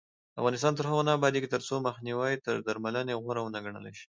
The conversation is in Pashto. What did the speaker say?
افغانستان تر هغو نه ابادیږي، ترڅو مخنیوی تر درملنې غوره ونه ګڼل شي.